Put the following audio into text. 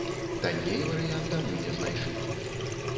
Танней варыянта мы не знайшлі.